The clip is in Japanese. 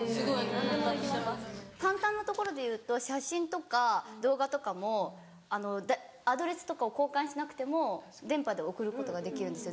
・何でもできます・簡単なところでいうと写真とか動画とかもアドレスとかを交換しなくても電波で送ることができるんですよ。